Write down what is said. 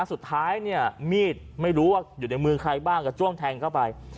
สุดท้ายเนี่ยมีดไม่รู้ว่าอยู่ในมือใครบ้างก็จ้วงแทงเข้าไป